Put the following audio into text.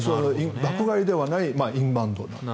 爆買いではないインバウンド。